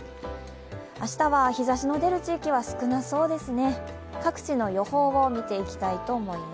明日は日ざしの出る地域は少なそうですね。